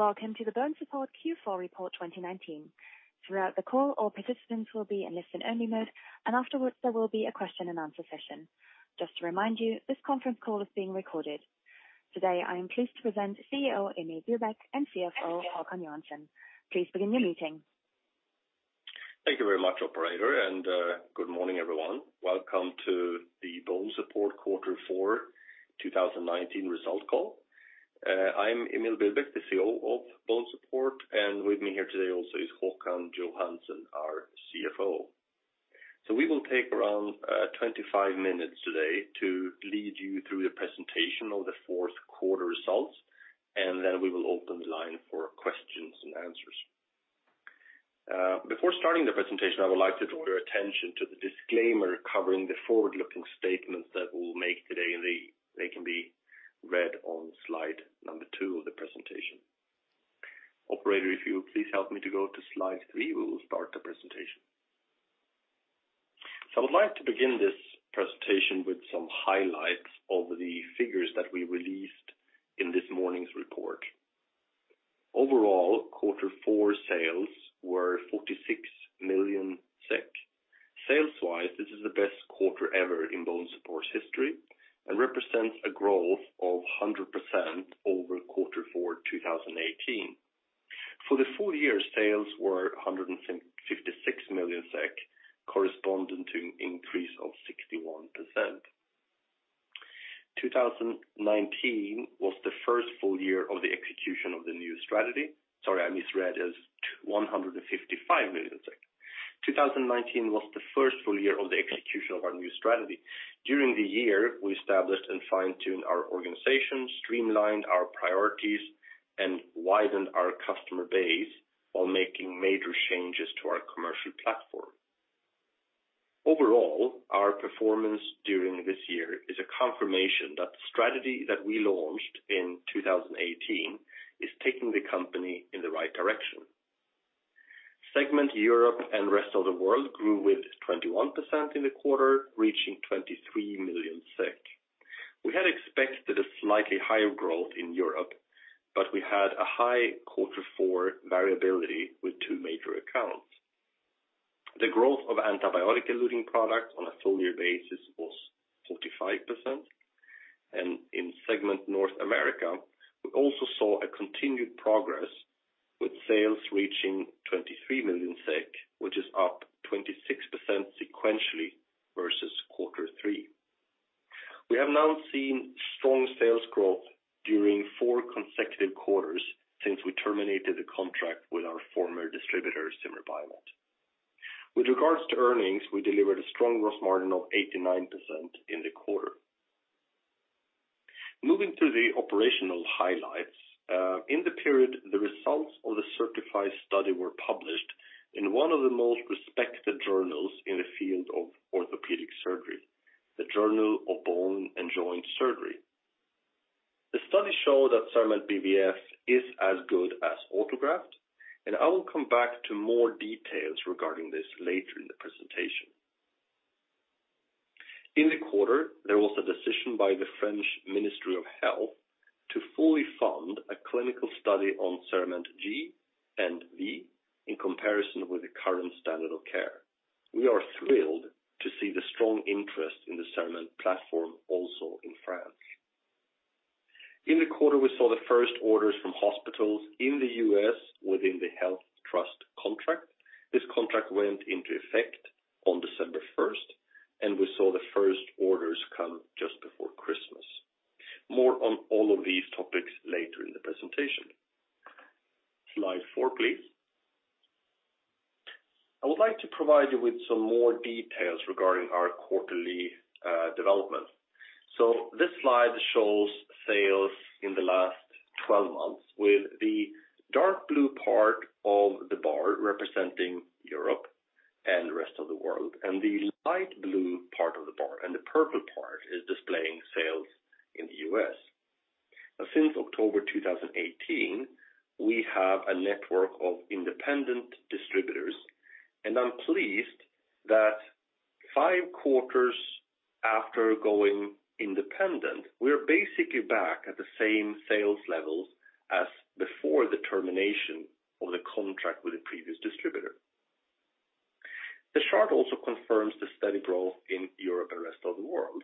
Welcome to the BONESUPPORT Q4 report 2019. Throughout the call, all participants will be in listen-only mode. Afterwards, there will be a question-and-answer session. Just to remind you, this conference call is being recorded. Today, I am pleased to present CEO Emil Billbäck and CFO Håkan Johansson. Please begin your meeting. Thank you very much, operator. Good morning, everyone. Welcome to the BONESUPPORT quarter four 2019 result call. I'm Emil Billbäck, the CEO of BONESUPPORT, and with me here today also is Håkan Johansson, our CFO. We will take around 25 minutes today to lead you through the presentation of the fourth quarter results. We will open the line for questions and answers. Before starting the presentation, I would like to draw your attention to the disclaimer covering the forward-looking statements that we'll make today, and they can be read on slide two of the presentation. Operator, if you would please help me to go to slide three, we will start the presentation. I would like to begin this presentation with some highlights of the figures that we released in this morning's report. Overall, quarter four sales were 46 million SEK. Sales-wise, this is the best quarter ever in BONESUPPORT's history and represents a growth of 100% over quarter four 2018. For the full year, sales were 156 million SEK, corresponding to an increase of 61%. 2019 was the first full year of the execution of the new strategy. Sorry, I misread, it's 155 million. 2019 was the first full year of the execution of our new strategy. During the year, we established and fine-tuned our organization, streamlined our priorities, and widened our customer base while making major changes to our commercial platform. Overall, our performance during this year is a confirmation that the strategy that we launched in 2018 is taking the company in the right direction. Segment Europe and rest of the world grew with 21% in the quarter, reaching 23 million. We had expected a slightly higher growth in Europe, we had a high quarter four variability with two major accounts. The growth of antibiotic-eluting products on a full year basis was 45%, in segment North America, we also saw a continued progress, with sales reaching 23 million SEK, which is up 26% sequentially versus quarter three. We have now seen strong sales growth during four consecutive quarters since we terminated the contract with our former distributor, Zimmer Biomet. With regards to earnings, we delivered a strong gross margin of 89% in the quarter. Moving to the operational highlights. In the period, the results of the CERTiFy study were published in one of the most respected journals in the field of orthopedic surgery, The Journal of Bone and Joint Surgery. The study showed that CERAMENT BVF is as good as autograft. I will come back to more details regarding this later in the presentation. In the quarter, there was a decision by the French Ministry of Health to fully fund a clinical study on CERAMENT G and V in comparison with the current standard of care. We are thrilled to see the strong interest in the CERAMENT platform also in France. In the quarter, we saw the first orders from hospitals in the U.S. within the HealthTrust contract. This contract went into effect on December first, and we saw the first orders come just before Christmas. More on all of these topics later in the presentation. Slide four, please. I would like to provide you with some more details regarding our quarterly development. This slide shows sales in the last 12 months, with the dark blue part of the bar representing Europe and the rest of the world, and the light blue part of the bar and the purple part is displaying sales in the U.S. Since October 2018, we have a network of independent distributors, and I'm pleased that five quarters after going independent, we're basically back at the same sales levels as before the termination of the contract with the previous distributor. The chart also confirms the steady growth in Europe and rest of the world,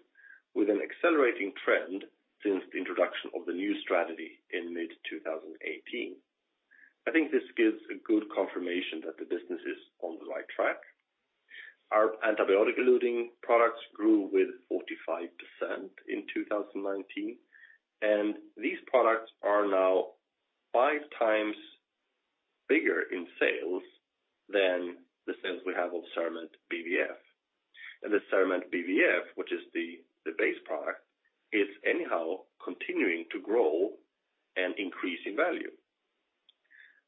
with an accelerating trend since the introduction of the new strategy in mid-2018. I think this gives a good confirmation that the business is on the right track. Our antibiotic-eluting products grew with 45% in 2019. These products are now 5x bigger in sales than the sales we have of CERAMENT BVF. The CERAMENT BVF, which is the base product, is anyhow continuing to grow and increase in value.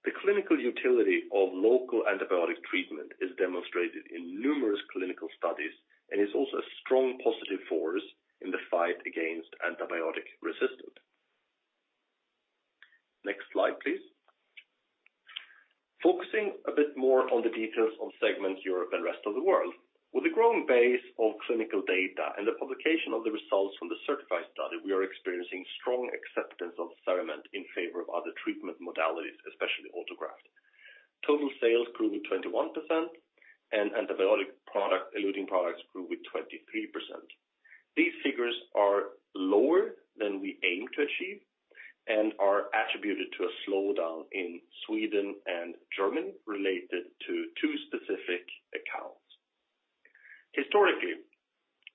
The clinical utility of local antibiotic treatment is demonstrated in numerous clinical studies and is also a strong positive force in the fight against antibiotic resistance. Next slide, please. Focusing a bit more on the details on segment Europe and rest of the world. With a growing base of clinical data and the publication of the results from the CERTiFy study, we are experiencing strong acceptance of CERAMENT in favor of other treatment modalities, especially autograft. Total sales grew with 21%, and antibiotic-eluting products grew with 23%. These figures are lower than we aim to achieve and are attributed to a slowdown in Sweden and Germany related to two specific accounts. Historically,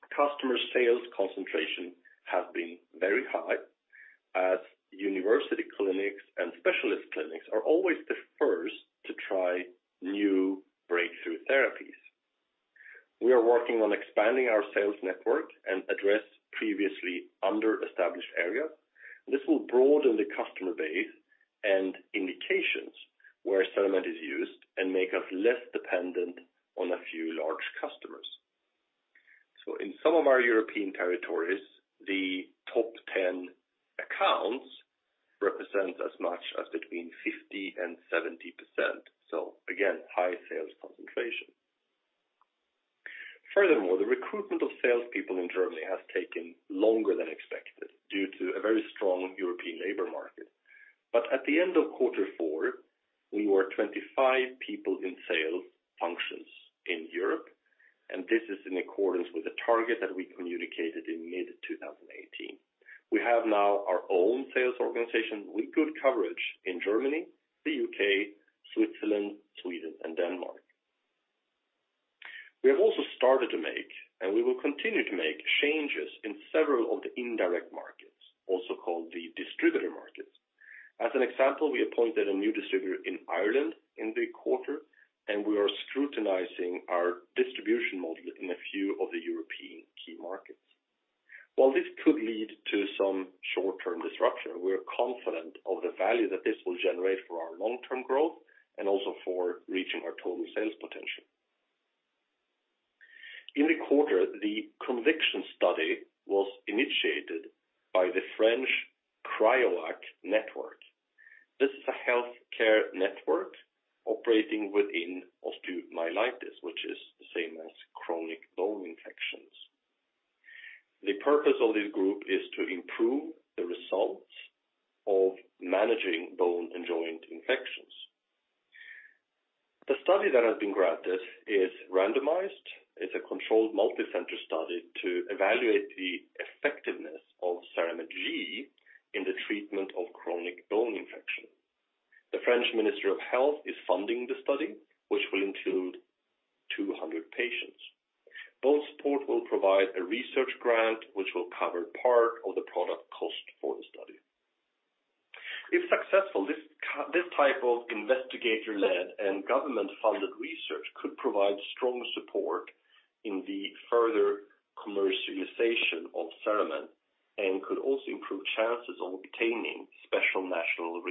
customer sales concentration has been very high, as university clinics and specialist clinics are always the first to try new breakthrough therapies. We are working on expanding our sales network and address previously under-established area. This will broaden the customer base and indications where CERAMENT is used and make us less dependent on a few large customers. In some of our European territories, the top 10 accounts represent as much as between 50% and 70%. Again, high sales concentration. Furthermore, the recruitment of salespeople in Germany has taken longer than expected due to a very strong European labor market. At the end of quarter four, we were 25 people in sales functions in Europe, and this is in accordance with the target that we communicated in mid-2018. We have now our own sales organization with good coverage in Germany, the U.K., Switzerland, Sweden, and Denmark. We have also started to make, and we will continue to make, changes in several of the indirect markets, also called the distributor markets. As an example, we appointed a new distributor in Ireland in the quarter, and we are scrutinizing our distribution model in a few of the European key markets. While this could lead to some short-term disruption, we are confident of the value that this will generate for our long-term growth and also for reaching our total sales potential. In the quarter, the CONVICTION study was initiated by the French CRI-OAc Network. This is a healthcare network operating within osteomyelitis, which is the same as chronic bone infections. The purpose of this group is to improve the results of managing bone and joint infections. The study that has been granted is randomized. It's a controlled, multicenter study to evaluate the effectiveness of CERAMENT G in the treatment of chronic bone infection. The French Ministry of Health is funding the study, which will include 200 patients. BONESUPPORT will provide a research grant, which will cover part of the product cost for the study. If successful, this type of investigator-led and government-funded research could provide strong support in the further commercialization of CERAMENT and could also improve chances of obtaining special national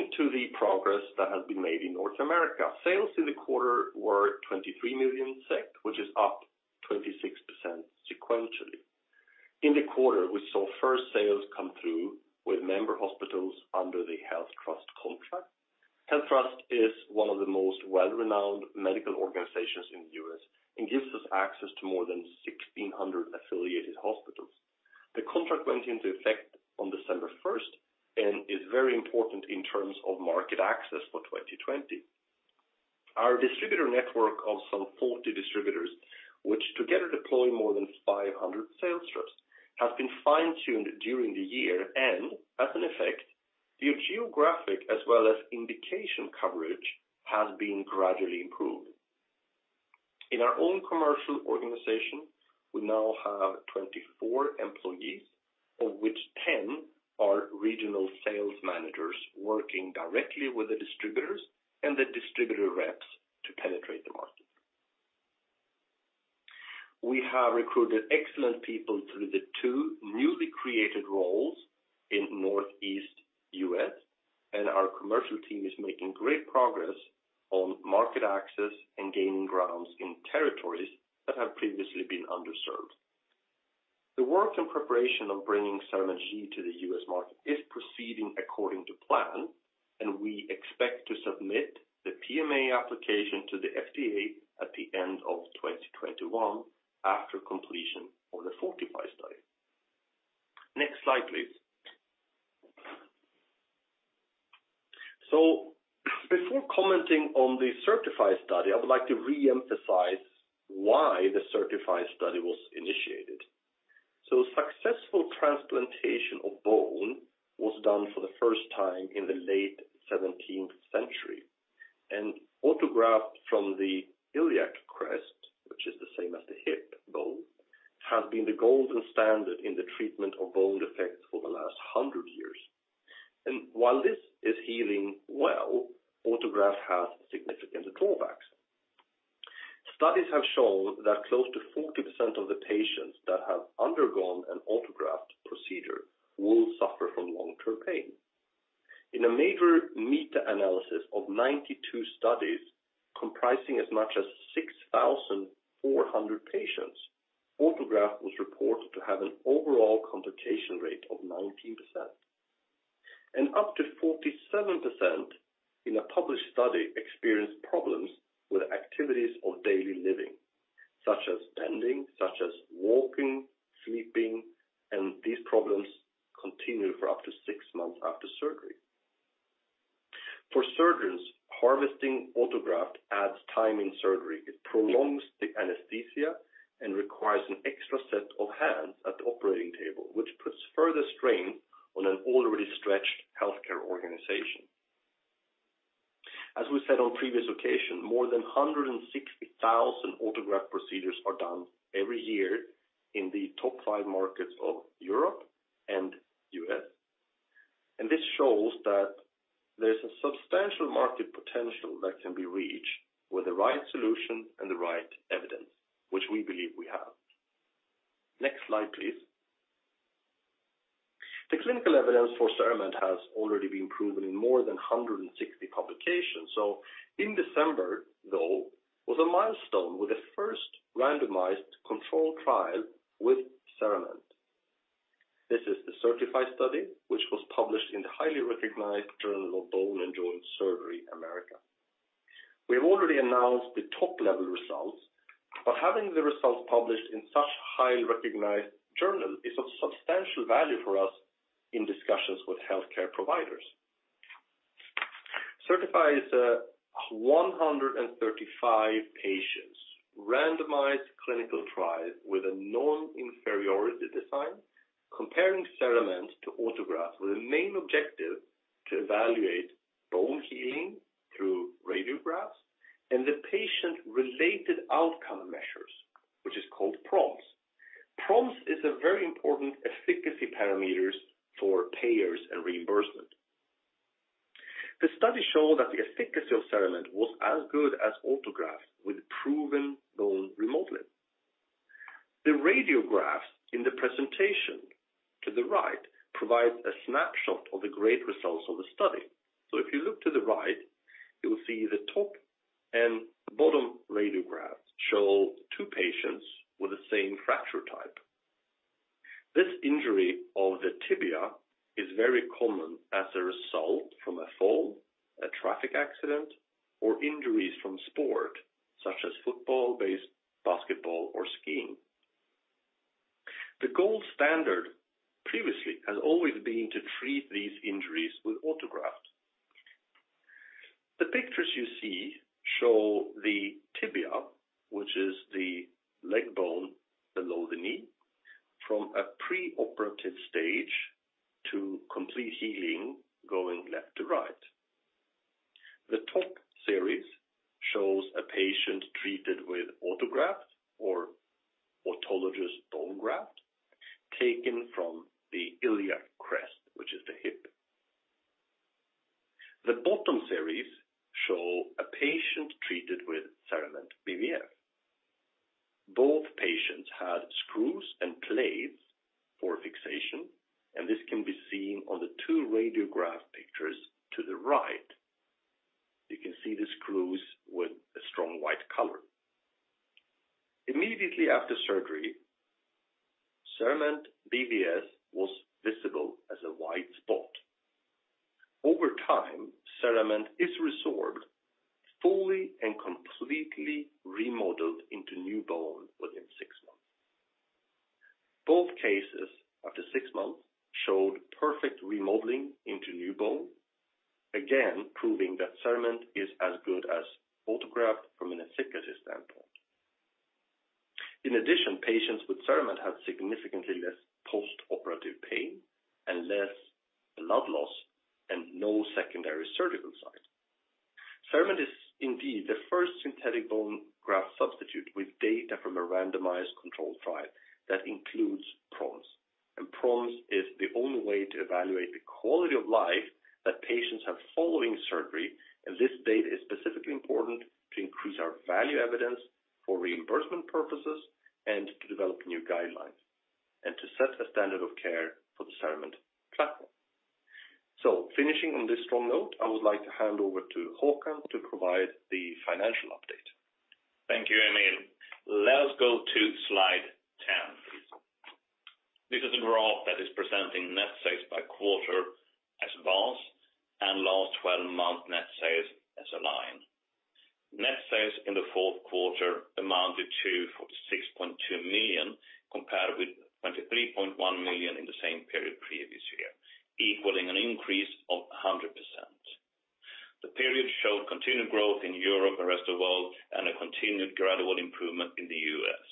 reimbursement. Next page, please. Returning to the progress that has been made in North America, sales in the quarter were 23 million SEK, which is up 26% sequentially. In the quarter, we saw first sales come through with member hospitals under the HealthTrust contract. HealthTrust is one of the most well-renowned medical organizations in the U.S. and gives us access to more than 1,600 affiliated hospitals. The contract went into effect on December 1st and is very important in terms of market access for 2020. Our distributor network of some 40 distributors, which together deploy more than 500 sales reps, has been fine-tuned during the year, and as an effect, the geographic as well as indication coverage has been gradually improved. In our own commercial organization, we now have 24 employees, of which 10 are regional sales managers, working directly with the distributors and the distributor reps to penetrate the market. We have recruited excellent people through the two newly created roles in Northeast U.S., and our commercial team is making great progress on market access and gaining grounds in territories that have previously been underserved. The work and preparation of bringing CERAMENT G to the U.S. market is proceeding according to plan, and we expect to submit the PMA application to the FDA at the end of 2021 after completion of the FORTIFY study. Next slide, please. Before commenting on the CERTiFy study, I would like to reemphasize why the CERTiFy study was initiated. Successful transplantation of bone was done for the first time in the late 17th century, and autograft from the iliac crest, which is the same as the hip bone, has been the golden standard in the treatment of bone defects for the last 100 years. While this is healing well, autograft has significant drawbacks. Studies have shown that close to 40% of the patients that have undergone an autograft procedure will suffer from long-term pain. Larger meta-analysis of 92 studies, comprising as much as 6,400 patients, autograft was reported to have an overall complication rate of 19%, and up to 47% in a published study experienced problems with activities of daily living, such as bending, such as walking, sleeping, and these problems continued for up to six months after surgery. For surgeons, harvesting autograft adds time in surgery. It prolongs the anesthesia and requires an extra set of hands at the operating table, which puts further strain on an already stretched healthcare organization. As we said on previous occasion, more than 160,000 autograft procedures are done every year in the top five markets of Europe and U.S. This shows that there's a substantial market potential that can be reached with the right solution and the right evidence, which we believe we have. Next slide, please. The clinical evidence for CERAMENT has already been proven in more than 160 publications. In December, though, was a milestone with the first randomized controlled trial with CERAMENT. This is the CERTiFy study, which was published in the highly recognized The Journal of Bone and Joint Surgery, America. We have already announced the top-level results, but having the results published in such a highly recognized journal is of substantial value for us in discussions with healthcare providers. CERTiFy is a 135 patients, randomized clinical trial with a non-inferiority design, comparing CERAMENT to autograft, with the main objective to evaluate bone healing through radiographs and the patient-related outcome measures, which is called PROMS. PROMS is a very important efficacy parameters for payers and reimbursement. The study showed that the efficacy of CERAMENT was as good as autograft, with proven bone remodeling. The radiographs in the presentation to the right provides a snapshot of the great results of the study. If you look to the right, you will see the top and the bottom radiographs show two patients with the same fracture type. This injury of the tibia is very common as a result from a fall, a traffic accident, or injuries from sport, such as football, baseball, basketball, or skiing. The gold standard previously has always been to treat these injuries with autograft. The pictures you see show the tibia, which is the leg bone below the knee, from a preoperative stage to complete healing, going left to right. The top series shows a patient treated with autograft or autologous bone graft taken from the iliac crest, which is the hip. The bottom series show a patient treated with CERAMENT BVF. Both patients had screws and plates for fixation, and this can be seen on the two radiograph pictures to the right. You can see the screws with a strong white color. Immediately after surgery, CERAMENT BVF was visible as a white spot. Over time, CERAMENT is resorbed fully and completely remodeled into new bone within six months. Both cases, after six months, showed perfect remodeling into new bone, again, proving that CERAMENT is as good as autograft from an efficacy standpoint. Patients with CERAMENT have significantly less postoperative pain and less blood loss and no secondary surgical sites. CERAMENT is indeed the first synthetic bone graft substitute with data from a randomized controlled trial that includes PROMS. PROMS is the only way to evaluate the quality of life that patients have following surgery. This data is specifically important to increase our value evidence for reimbursement purposes and to develop new guidelines, and to set a standard of care for the CERAMENT platform. Finishing on this strong note, I would like to hand over to Håkan to provide the financial update. Thank you, Emil. Let us go to slide 10, please. This is a graph that is presenting net sales by quarter as bars and last 12-month net sales as a line. Net sales in the fourth quarter amounted to 46.2 million, compared with 23.1 million in the same period previous year, equaling an increase of 100%. The period showed continued growth in Europe and rest of world, and a continued gradual improvement in the U.S.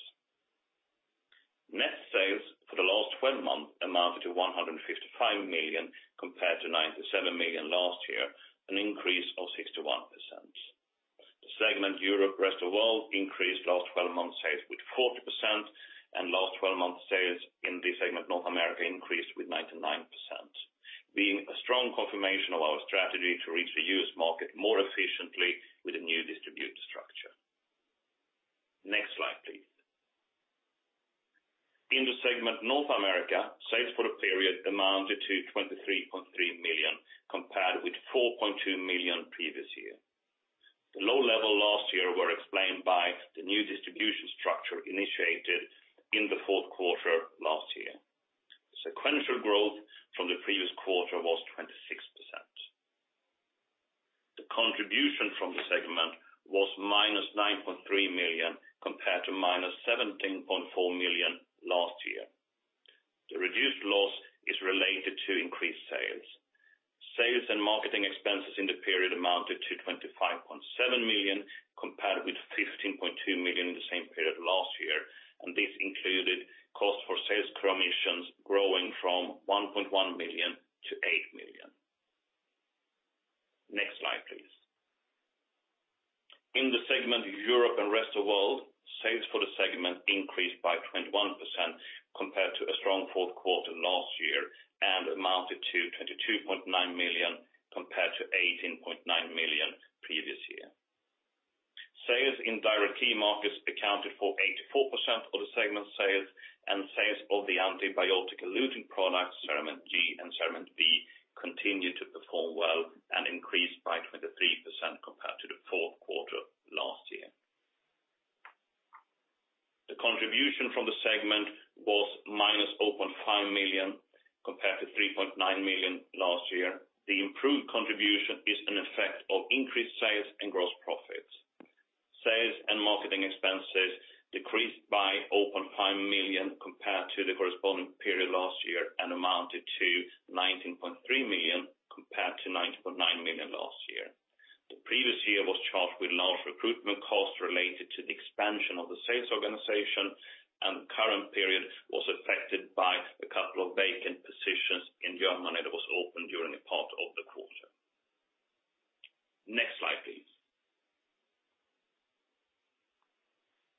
Net sales for the last 12 months amounted to 155 million, compared to 97 million last year, an increase of 61%. The segment Europe rest of world increased last twelve months sales with 40%. Last twelve months sales in the segment North America increased with 99%, being a strong confirmation of our strategy to reach the U.S. market more efficiently with a new distributor. America, sales for the period amounted to 23.3 million, compared with 4.2 million previous year. The low level last year were explained by the new distribution structure initiated in the fourth quarter last year. Sequential growth from the previous quarter was 26%. The contribution from the segment was -9.3 million, compared to -17.4 million last year. The reduced loss is related to increased sales. Sales and marketing expenses in the period amounted to 25.7 million, compared with 15.2 million in the same period last year, and this included cost for sales commissions growing from 1.1 million to 8 million. Next slide, please. In the segment, Europe and Rest of World, sales for the segment increased by 21% compared to a strong fourth quarter last year, and amounted to 22.9 million, compared to 18.9 million previous year. Sales in direct key markets accounted for 84% of the segment sales, and sales of the antibiotic eluting products, CERAMENT G and CERAMENT V, continued to perform well and increased by 23% compared to the fourth quarter last year. The contribution from the segment was -0.5 million, compared to 3.9 million last year. The improved contribution is an effect of increased sales and gross profits. Sales and marketing expenses decreased by -0.5 million compared to the corresponding period last year, amounted to 19.3 million, compared to 19.9 million last year. The previous year was charged with large recruitment costs related to the expansion of the sales organization. The current period was affected by a couple of vacant positions in Germany that was open during a part of the quarter. Next slide, please.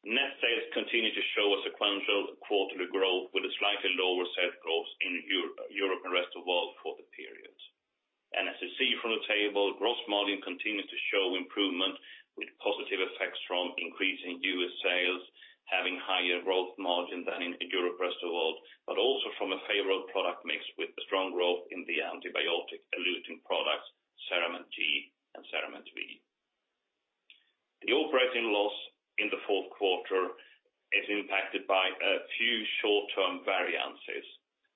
Net sales continue to show a sequential quarterly growth with a slightly lower set growth in Europe and Rest of World for the period. As you see from the table, gross margin continues to show improvement, with positive effects from increasing U.S. sales, having higher gross margin than in Europe, Rest of World, but also from a favorable product mix with a strong growth in the antibiotic eluting products, CERAMENT G and CERAMENT V. The operating loss in the fourth quarter is impacted by a few short-term variances,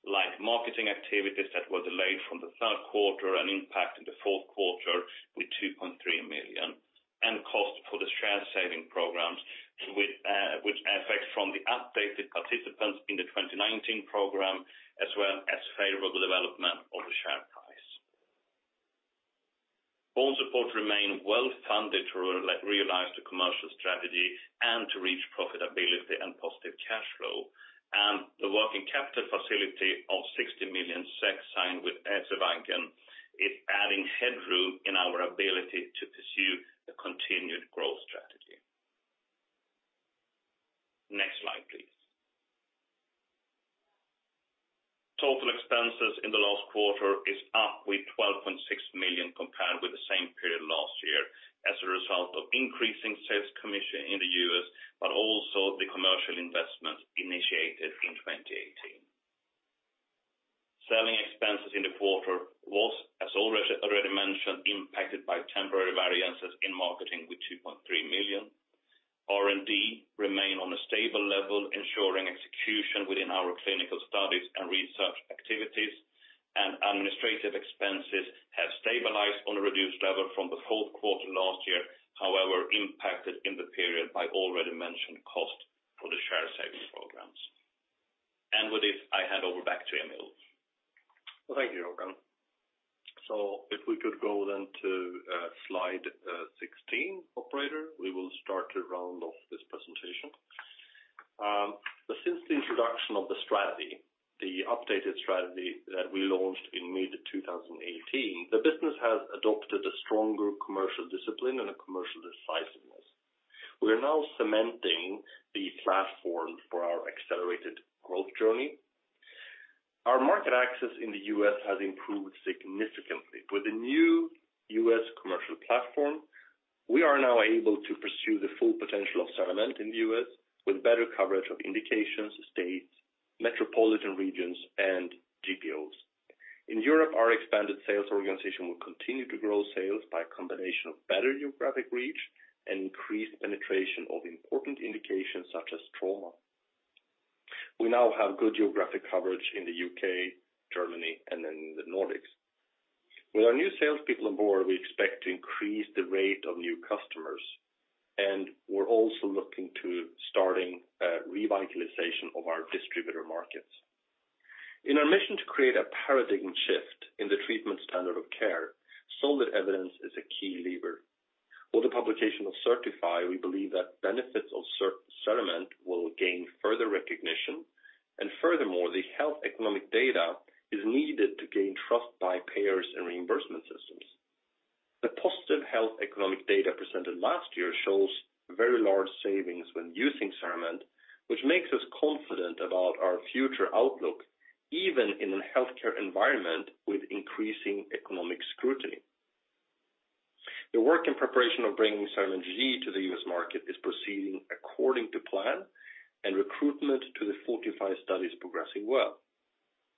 like marketing activities that were delayed from the third quarter and impact in the fourth quarter with 2.3 million, and cost for the share saving programs, with effect from the updated participants in the 2019 program, as well as favorable development of the share price. BONESUPPORT remain well-funded to realize the commercial strategy and to reach profitability and positive cash flow. The working capital facility of 60 million SEK signed with SEB is adding headroom in our ability to pursue the continued growth strategy. Next slide, please. Total expenses in the last quarter is up with 12.6 million, compared with the same period last year, as a result of increasing sales commission in the U.S., but also the commercial investments initiated in 2018. Selling expenses in the quarter was, as already mentioned, impacted by temporary variances in marketing with 2.3 million. R&D remain on a stable level, ensuring execution within our clinical studies and research activities, and administrative expenses have stabilized on a reduced level from the fourth quarter last year, however, impacted in the period by already mentioned cost for the share savings programs. With this, I hand over back to Emil. Thank you, Håkan. If we could go to slide 16, operator, we will start to round off this presentation. Since the introduction of the strategy, the updated strategy that we launched in mid 2018, the business has adopted a stronger commercial discipline and a commercial decisiveness. We are now cementing the platform for our accelerated growth journey. Our market access in the U.S. has improved significantly. With the new U.S. commercial platform, we are now able to pursue the full potential of CERAMENT in the U.S. with better coverage of indications, states, metropolitan regions, and GPOs. In Europe, our expanded sales organization will continue to grow sales by a combination of better geographic reach and increased penetration of important indications such as trauma. We now have good geographic coverage in the U.K., Germany, and the Nordics. With our new salespeople on board, we expect to increase the rate of new customers, and we're also looking to starting a revitalization of our distributor markets. In our mission to create a paradigm shift in the treatment standard of care, solid evidence is a key lever. With the publication of CERTiFy, we believe that benefits of CERAMENT will gain further recognition, and furthermore, the health economic data is needed to gain trust by payers and reimbursement systems. The positive health economic data presented last year shows very large savings when using CERAMENT, which makes us confident about our future outlook, even in a healthcare environment with increasing economic scrutiny. The work and preparation of bringing CERAMENT G to the U.S. market is proceeding according to plan, and recruitment to the FORTIFY study is progressing well.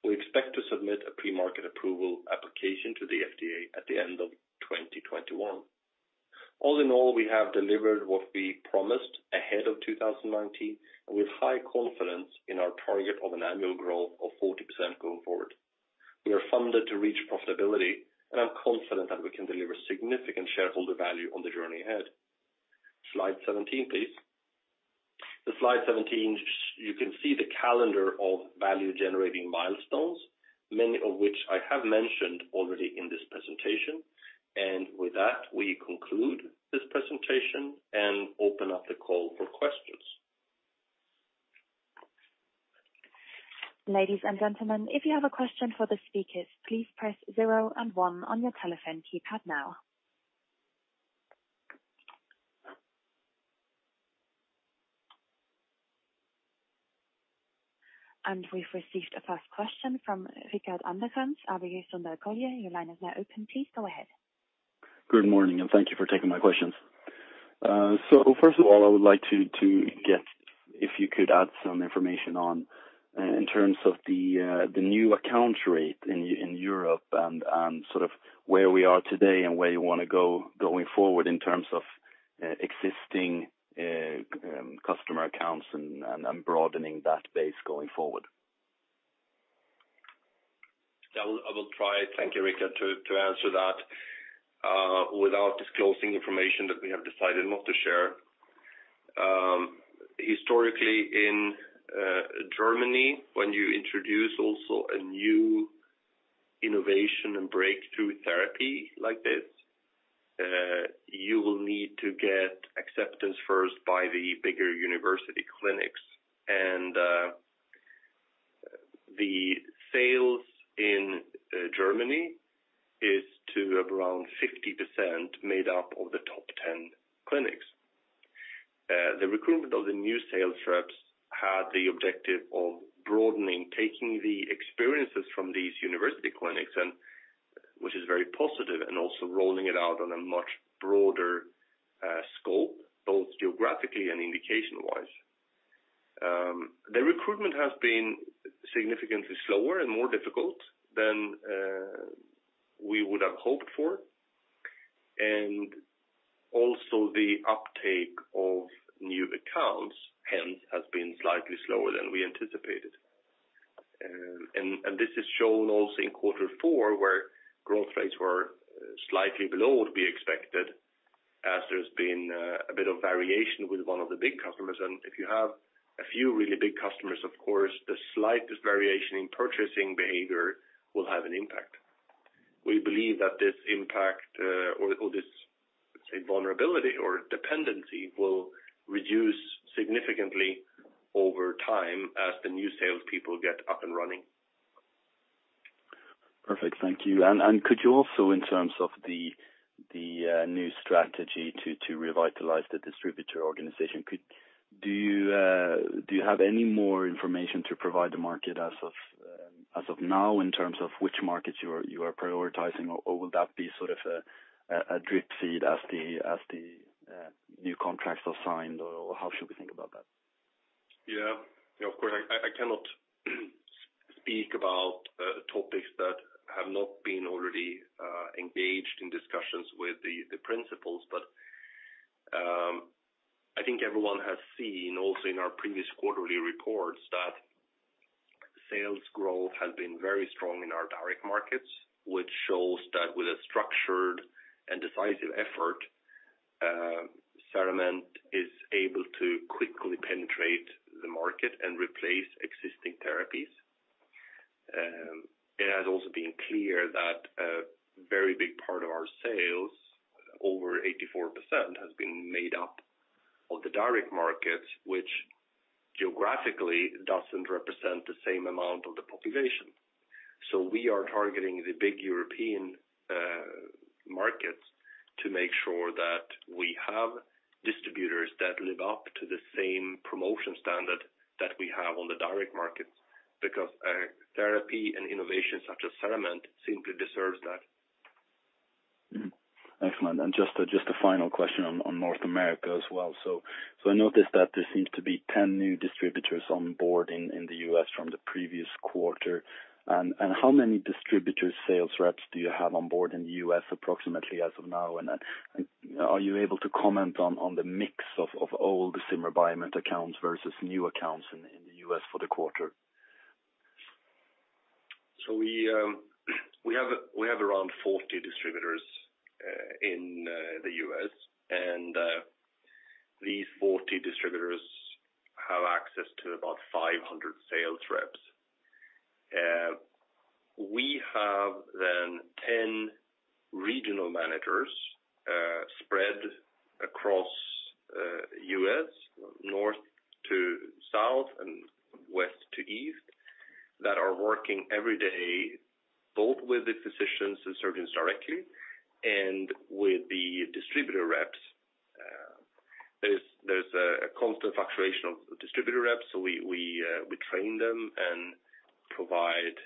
We expect to submit a Premarket Approval application to the FDA at the end of 2021. All in all, we have delivered what we promised ahead of 2019, and with high confidence in our target of an annual growth of 40% going forward. We are funded to reach profitability, and I'm confident that we can deliver significant shareholder value on the journey ahead. Slide 17, please. The slide 17, you can see the calendar of value-generating milestones, many of which I have mentioned already in this presentation. With that, we conclude this presentation and open up the call for questions. Ladies and gentlemen, if you have a question for the speakers, please press zero and one on your telephone keypad now. We've received a first question from Rickard Anderkrans, ABG Sundal Collier. Your line is now open. Please go ahead. Good morning, and thank you for taking my questions. First of all, I would like to get if you could add some information on in terms of the new account rate in Europe and sort of where we are today and where you want to go going forward in terms of existing customer accounts and broadening that base going forward. Yeah, I will try. Thank you, Rickard, to answer that, without disclosing information that we have decided not to share. Historically, in Germany, when you introduce also a new innovation and breakthrough therapy like this, you will need to get acceptance first by the bigger university clinics. The sales in Germany is to around 50% made up of the top 10 clinics. The recruitment of the new sales reps had the objective of broadening, taking the experiences from these university clinics and which is very positive, and also rolling it out on a much broader scope, both geographically and indication-wise. The recruitment has been significantly slower and more difficult than we would have hoped for. Also the uptake of new accounts, hence, has been slightly slower than we anticipated. This is shown also in quarter four, where growth rates were slightly below what we expected, as there's been a bit of variation with one of the big customers. If you have a few really big customers, of course, the slightest variation in purchasing behavior will have an impact. We believe that this impact, or this, let's say, vulnerability or dependency, will reduce significantly over time as the new salespeople get up and running. Perfect. Thank you. Could you also, in terms of the new strategy to revitalize the distributor organization, do you have any more information to provide the market as of now, in terms of which markets you are prioritizing, or will that be sort of a drip feed as the new contracts are signed, or how should we think about that? Of course, I cannot speak about topics that have not been already engaged in discussions with the principals. I think everyone has seen also in our previous quarterly reports that sales growth has been very strong in our direct markets, which shows that with a structured and decisive effort, CERAMENT is able to quickly penetrate the market and replace existing therapies. It has also been clear that a very big part of our sales, over 84%, has been made up of the direct markets, which geographically doesn't represent the same amount of the population. We are targeting the big European markets to make sure that we have distributors that live up to the same promotion standard that we have on the direct markets, because a therapy and innovation such as CERAMENT simply deserves that. Excellent. Just a final question on North America as well. I noticed that there seems to be 10 new distributors on board in the U.S. from the previous quarter. How many distributor sales reps do you have on board in the U.S. approximately as of now? Are you able to comment on the mix of old CERAMENT accounts versus new accounts in the U.S. for the quarter? We have around 40 distributors in the U.S., and these 40 distributors have access to about 500 sales reps. We have then 10 regional managers spread across U.S., north to south and west to east, that are working every day, both with the physicians and surgeons directly and with the distributor reps. a constant fluctuation of distributor reps, so we train them and provide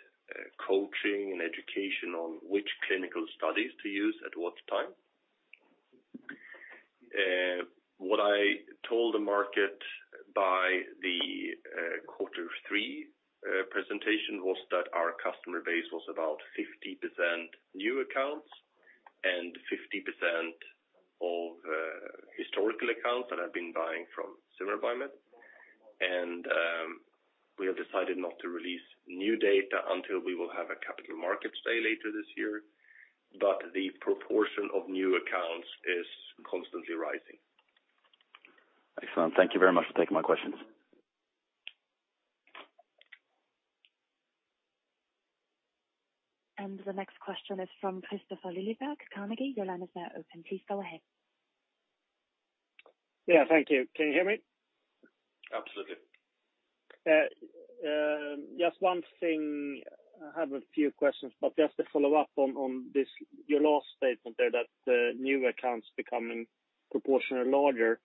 coaching and education on which clinical studies to use at what time. What I told the market by the Q3 presentation was that our customer base was about 50% new accounts and 50% of historical accounts that have been buying from Zimmer Biomet. We have decided not to release new data until we will have a capital markets day later this year. The proportion of new accounts is constantly rising. Excellent. Thank you very much for taking my questions. The next question is from Kristofer Liljeberg, Carnegie. Your line is now open. Please go ahead. Yeah, thank you. Can you hear me? Absolutely. Just one thing. I have a few questions, but just to follow up on this, your last statement there, that the new accounts becoming proportionally larger.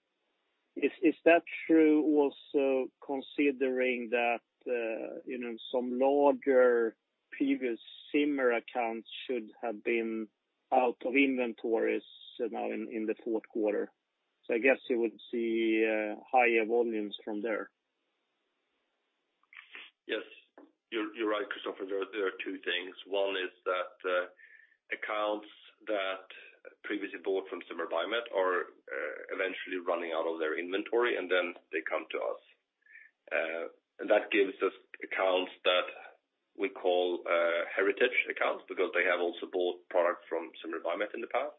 Is that true also considering that, you know, some larger previous Zimmer accounts should have been out of inventories now in the fourth quarter? I guess you would see, higher volumes from there. Yes, you're right, Kristofer. There are two things. One is that accounts that previously bought from Zimmer Biomet are eventually running out of their inventory, and then they come to us. That gives us accounts that we call heritage accounts, because they have also bought product from Zimmer Biomet in the past.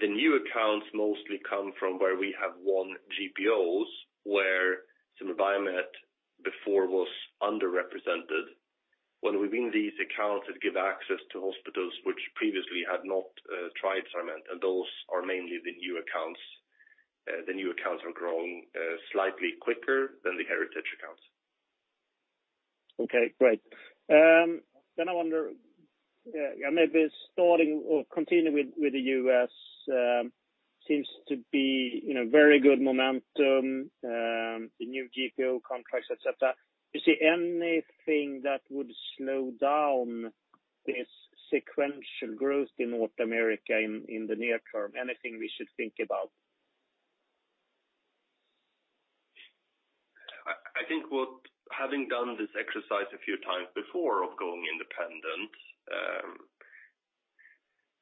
The new accounts mostly come from where we have won GPOs, where Zimmer Biomet before was underrepresented. When we win these accounts, it give access to hospitals, which previously had not tried CERAMENT, and those are mainly the new accounts. The new accounts are growing slightly quicker than the heritage accounts. Okay, great. I wonder, maybe starting or continuing with the U.S., seems to be, you know, very good momentum, the new GPO contracts, et cetera. You see anything that would slow down this sequential growth in North America in the near term? Anything we should think about? I think what having done this exercise a few times before of going independent,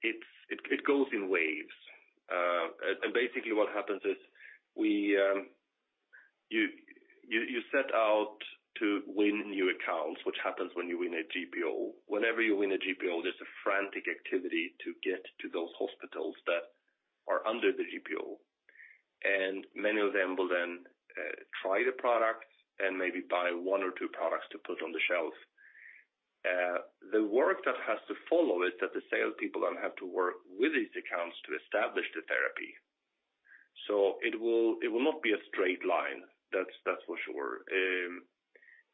it's, it goes in waves. Basically what happens is we, you set out to win new accounts, which happens when you win a GPO. Whenever you win a GPO, there's a frantic activity to get to those hospitals that are under the GPO, and many of them will then try the products and maybe buy one or two products to put on the shelf. The work that has to follow is that the salespeople then have to work with these accounts to establish the therapy. It will not be a straight line, that's for sure.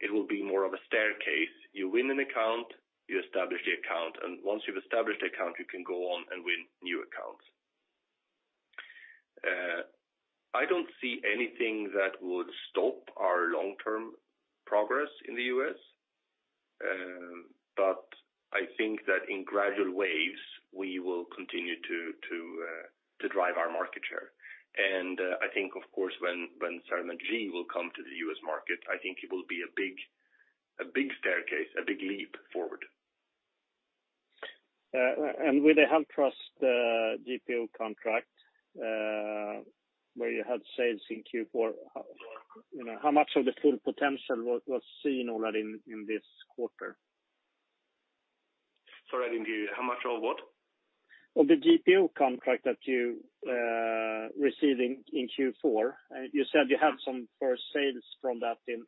It will be more of a staircase. You win an account, you establish the account, and once you've established the account, you can go on and win new accounts. I don't see anything that would stop our long-term progress in the U.S., but I think that in gradual waves, we will continue to drive our market share. I think, of course, when CERAMENT G will come to the U.S. market, I think it will be a big staircase, a big leap forward. With the HealthTrust GPO contract, where you had sales in Q4, you know, how much of the full potential was seen already in this quarter? Sorry, I didn't hear you. How much of what? Of the GPO contract that you received in Q4. You said you had some first sales from that in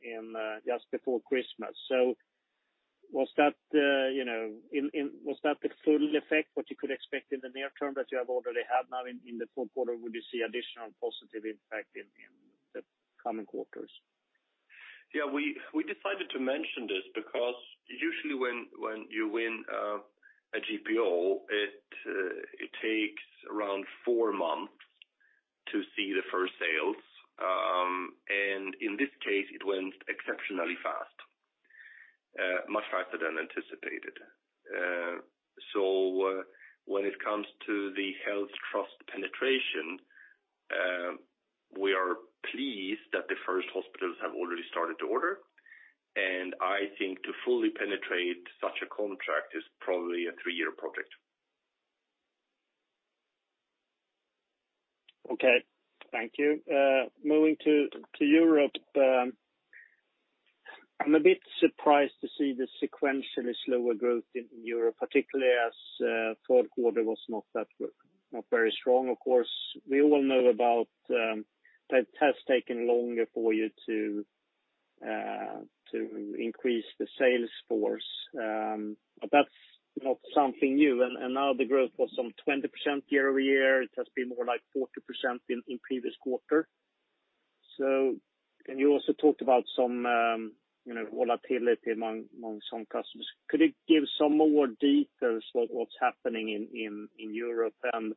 just before Christmas. Was that, you know, was that the full effect, what you could expect in the near term, that you have already had now in the fourth quarter? Would you see additional positive impact in the coming quarters? We decided to mention this because usually when you win a GPO, it takes around four months to see the first sales. In this case, it went exceptionally fast, much faster than anticipated. When it comes to the HealthTrust penetration, we are pleased that the first hospitals have already started to order, and I think to fully penetrate such a contract is probably a three-year project. Okay. Thank you. Moving to Europe, I'm a bit surprised to see the sequentially slower growth in Europe, particularly as fourth quarter was not very strong. Of course, we all know about that it has taken longer for you to increase the sales force. That's not something new. Now the growth was some 20% year-over-year. It has been more like 40% in previous quarter. You also talked about some, you know, volatility among some customers. Could you give some more details what's happening in Europe and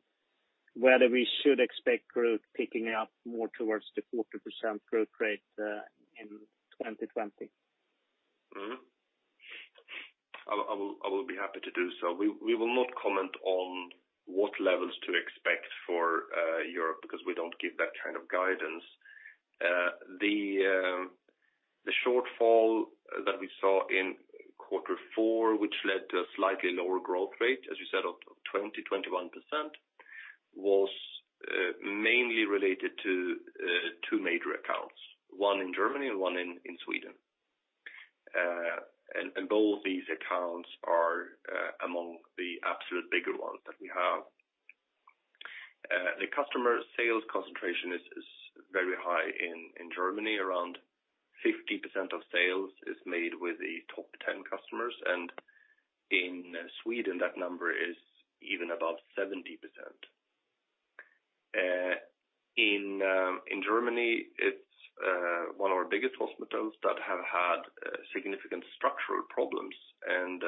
whether we should expect growth picking up more towards the 40% growth rate in 2020? I will be happy to do so. We will not comment on what levels to expect for Europe, because we don't give that kind of guidance. The shortfall that we saw in quarter four, which led to a slightly lower growth rate, as you said, of 20%, 21%, was mainly related to two major accounts, one in Germany and one in Sweden. Both these accounts are among the absolute bigger ones that we have. The customer sales concentration is very high in Germany, around 50% of sales is made with the top 10 customers, and in Sweden, that number is even about 70%. In Germany, it's one of our biggest hospitals that have had significant structural problems, and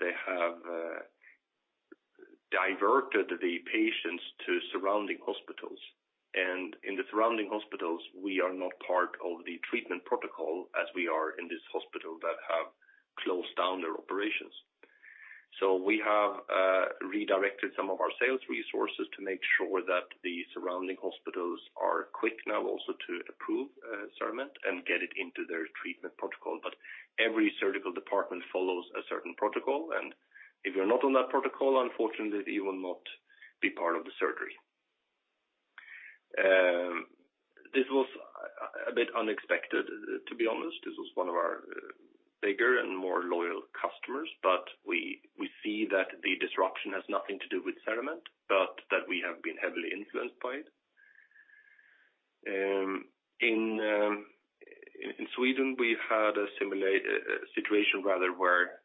they have diverted the patients to surrounding hospitals. In the surrounding hospitals, we are not part of the treatment protocol as we are in this hospital that have closed down their operations. We have redirected some of our sales resources to make sure that the surrounding hospitals are quick now also to approve CERAMENT and get it into their treatment protocol. Every surgical department follows a certain protocol, and if you're not on that protocol, unfortunately, you will not be part of the surgery. This was a bit unexpected, to be honest. This was one of our bigger and more loyal customers, we see that the disruption has nothing to do with CERAMENT, but that we have been heavily influenced by it. In Sweden, we've had a similar situation rather, where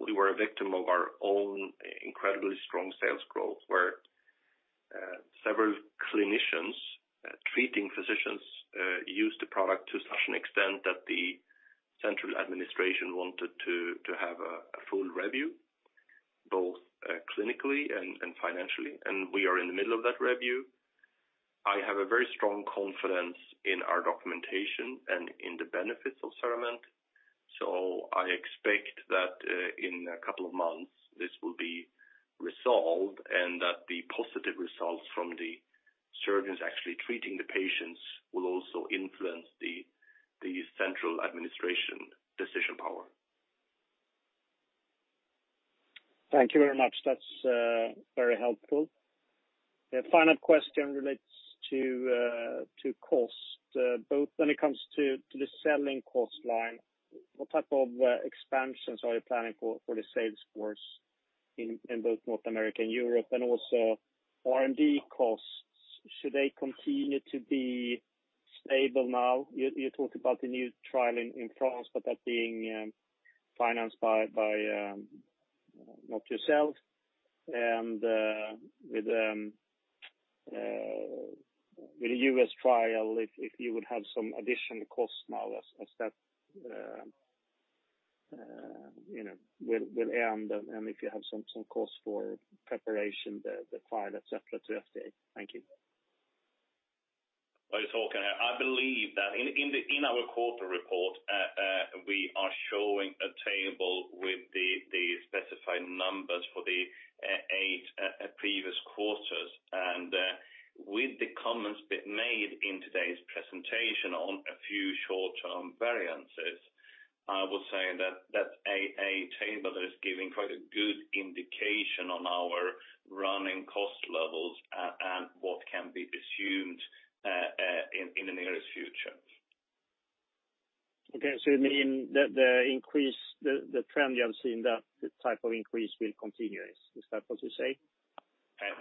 we were a victim of our own incredibly strong sales growth, where several clinicians, treating physicians, used the product to such an extent that the central administration wanted to have a full review, both clinically and financially, and we are in the middle of that review. I have a very strong confidence in our documentation and in the benefits of CERAMENT, I expect that in a couple of months, this will be resolved, and that the positive results from the surgeons actually treating the patients will also influence the central administration decision power. Thank you very much. That's very helpful. A final question relates to cost, both when it comes to the selling cost line, what type of expansions are you planning for the sales force in both North America and Europe? Also R&D costs, should they continue to be stable now? You talked about the new trial in France, but that being financed by not yourself. With the U.S. trial, if you would have some additional cost models as that, you know, will end, and if you have some costs for preparation, the file, et cetera, to FDA. Thank you. Well, Håkan, I believe that in the, in our quarter report, we are showing a table with the specified numbers for the eight previous quarters. With the comments being made in today's presentation on a few short-term variances, I will say that that's a table that is giving quite a good indication on our running cost levels and what can be assumed in the nearest future. Okay. You mean the increase, the trend you have seen, that type of increase will continue. Is that what you say?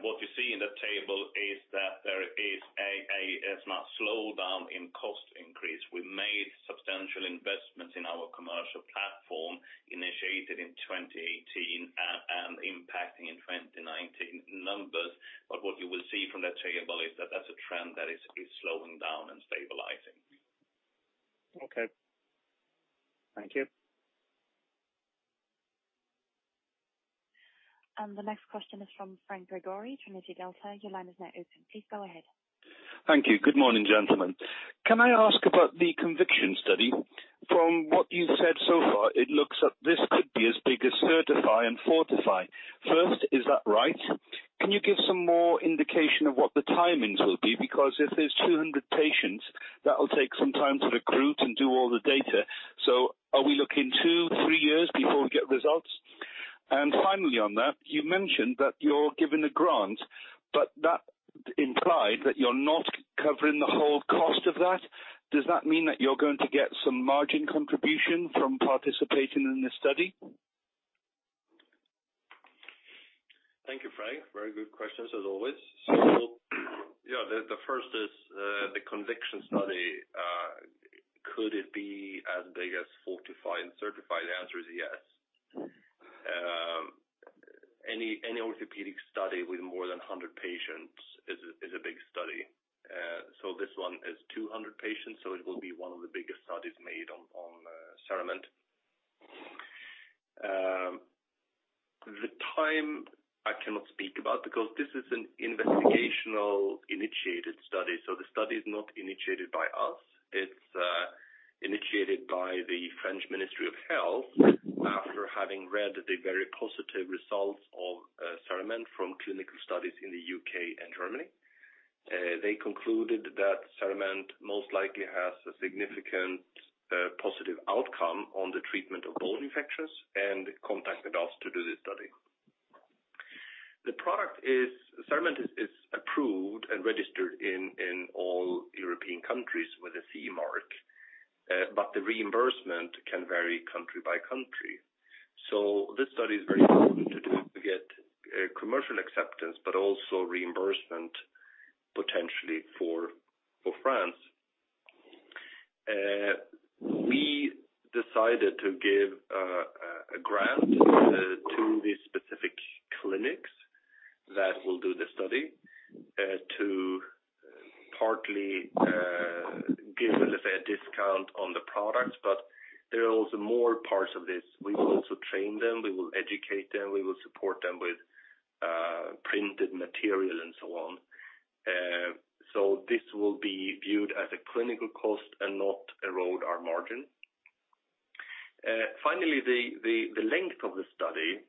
What you see in the table is that there is a not slowdown in cost increase. We made substantial investments in our commercial platform, initiated in 2018 and impacting in 2019 numbers. What you will see from that table is that that's a trend that is slowing down and stabilizing. Okay. Thank you. The next question is from Frank Gregory, Trinity Delta. Your line is now open. Please go ahead. Thank you. Good morning, gentlemen. Can I ask about the CONVICTION study? From what you've said so far, it looks that this could be as big as CERTiFy and FORTIFY. First, is that right? Can you give some more indication of what the timings will be? If there's 200 patients, that will take some time to recruit and do all the data. Are we looking 2-3 years before we get results? Finally, on that, you mentioned that you're given a grant, but that implied that you're not covering the whole cost of that. Does that mean that you're going to get some margin contribution from participating in this study? Thank you, Frank. Very good questions, as always. The first is the CONVICTION study. Could it be as big as FORTIFY and CERTiFy? The answer is yes. Any orthopedic study with more than 100 patients is a big study. This one is 200 patients, so it will be one of the biggest studies made on CERAMENT. The time I cannot speak about because this is an investigational initiated study. The study is not initiated by us. It's initiated by the French Ministry of Health after having read the very positive results of CERAMENT from clinical studies in the U.K. and Germany. They concluded that CERAMENT most likely has a significant positive outcome on the treatment of bone infections and contacted us to do this study. The product is CERAMENT is approved and registered in all European countries with a CE mark, but the reimbursement can vary country by country. This study is very important to do to get commercial acceptance, but also reimbursement potentially for France. We decided to give a grant to the specific clinics that will do the study to partly give a little bit of discount on the products, but there are also more parts of this. We will also train them, we will educate them, we will support them with printed material and so on. This will be viewed as a clinical cost and not erode our margin. Finally, the length of the study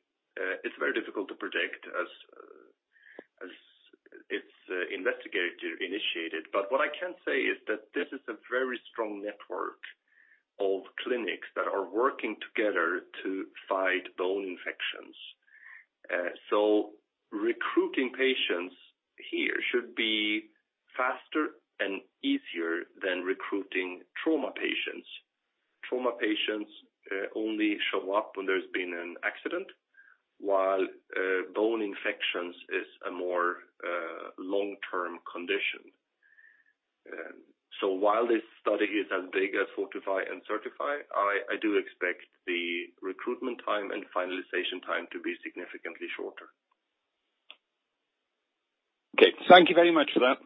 is very difficult to predict as it's investigator initiated. What I can say is that this is a very strong network of clinics that are working together to fight bone infections. Recruiting patients here should be faster and easier than recruiting trauma patients. Trauma patients only show up when there's been an accident, while bone infections is a more long-term condition. While this study is as big as FORTIFY and CERTIFY, I do expect the recruitment time and finalization time to be significantly shorter. Okay, thank you very much for that.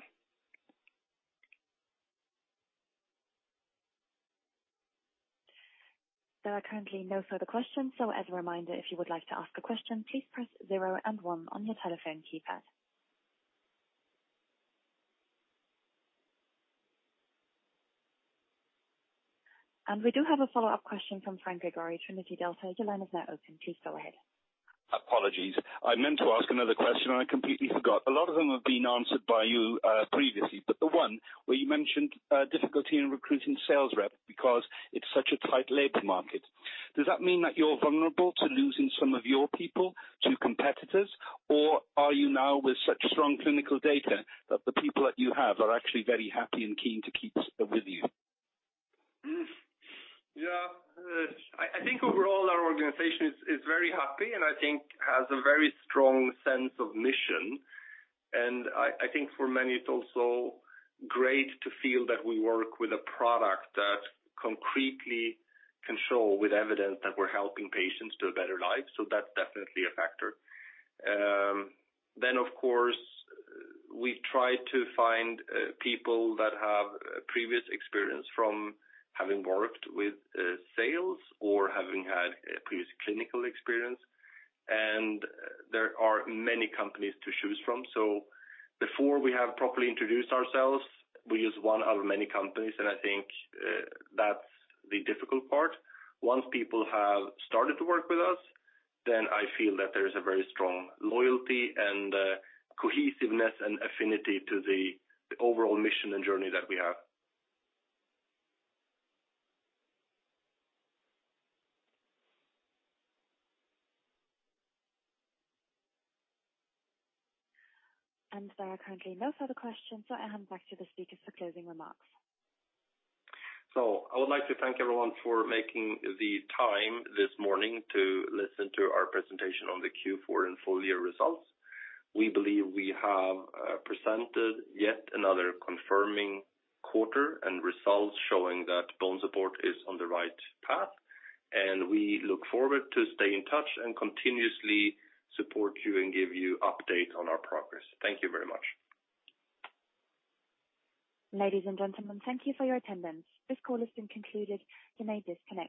There are currently no further questions. As a reminder, if you would like to ask a question, please press zero and one on your telephone keypad. We do have a follow-up question from Frank Gregory, Trinity Delta. Your line is now open. Please go ahead. Apologies. I meant to ask another question, and I completely forgot. A lot of them have been answered by you, previously, but the one where you mentioned difficulty in recruiting sales rep because it's such a tight labor market, does that mean that you're vulnerable to losing some of your people to competitors? Or are you now with such strong clinical data that the people that you have are actually very happy and keen to keep with you? Yeah. I think overall, our organization is very happy and I think has a very strong sense of mission. I think for many, it's also great to feel that we work with a product that concretely can show with evidence that we're helping patients to a better life. That's definitely a factor. Of course, we've tried to find people that have previous experience from having worked with sales or having had a previous clinical experience, and there are many companies to choose from. Before we have properly introduced ourselves, we are just one out of many companies, and I think that's the difficult part. Once people have started to work with us, I feel that there is a very strong loyalty and cohesiveness and affinity to the overall mission and journey that we have. There are currently no further questions, so I hand back to the speakers for closing remarks. I would like to thank everyone for making the time this morning to listen to our presentation on the Q4 and full year results. We believe we have presented yet another confirming quarter and results showing that BONESUPPORT is on the right path, and we look forward to staying in touch and continuously support you and give you update on our progress. Thank you very much. Ladies and gentlemen, thank you for your attendance. This call has been concluded. You may disconnect.